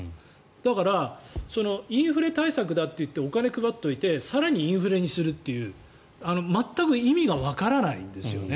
だから、インフレ対策だといってお金を配っておいて更にインフレにするという全く意味がわからないんです。